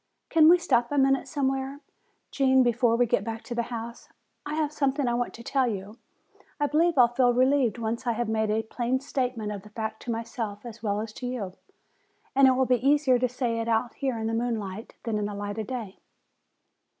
"Can we stop a minute somewhere, Gene, before we get back to the house? I have something I want to tell you. I believe I'll feel relieved once I have made a plain statement of a fact to myself as well as to you. And it will be easier to say it out here in the moonlight than in the light of day."